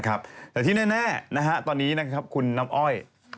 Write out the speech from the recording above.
แต่ที่แน่ตอนนี้คุณน้ำอ้อย